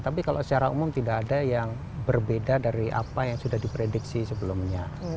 tapi kalau secara umum tidak ada yang berbeda dari apa yang sudah diprediksi sebelumnya